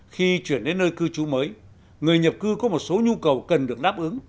khi chuyển đến nơi cư trú mới người nhập cư có một số nhu cầu cần được đáp ứng